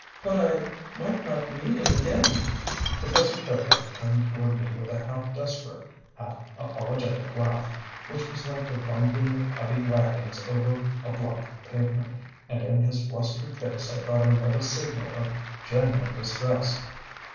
"But I might not meet him again." Professor Keredec turned toward me with a half desperate, half apologetic laugh which was like the rumbling of heavy wagons over a block pavement; and in his flustered face I thought I read a signal of genuine distress.